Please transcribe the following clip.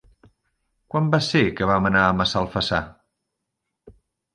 Quan va ser que vam anar a Massalfassar?